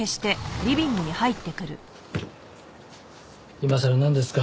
今さらなんですか？